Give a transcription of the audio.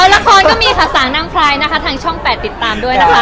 ละครก็มีค่าสานางพลายทางช่องแปดติดตามด้วยนะคะ